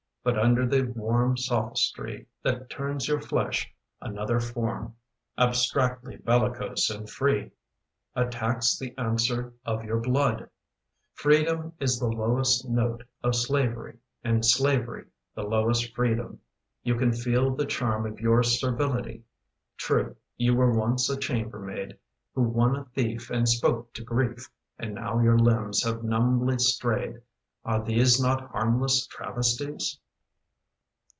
But under the warm sophistry That turns your flesh, another form Abstractly bellicose and free Attacks the answer of your blood. Freedom is the lowest note Of slavery, and slavery The lowest freedom — you can feel The charm of your servility. True, you were once a chamber maid Who won a thief and spoke to grief, And now your limbs have numbly strayed. Are these not harmless travesties?